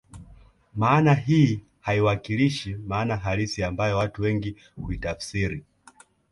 Maana hii haiwakilishi maana halisi ambayo watu wengi huitafsiri